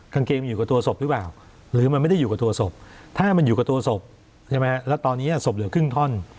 กางเกงมันอยู่กับตัวศพหรือเปล่าหรือมันไม่ได้อยู่กับตัวศพถ้ามันอยู่กับตัวศพใช่ไหมแล้วตอนนี้ศพเหลือครึ่งท่อน